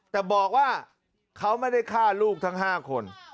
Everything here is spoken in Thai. แต่บอกว่าเขาไม่ได้ฆ่าลูกทั้ง๕คน